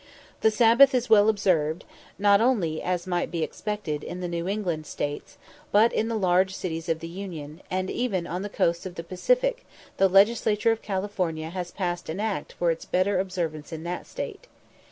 The Sabbath is well observed, not only, as might be expected, in the New England States, but in the large cities of the Union; and even on the coasts of the Pacific the Legislature of California has passed an act for its better observance in that State.